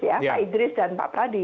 pak idris ya pak idris dan pak pradi